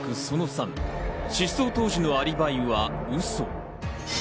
その３、失踪当時のアリバイは嘘。